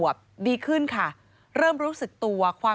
พบหน้าลูกแบบเป็นร่างไร้วิญญาณ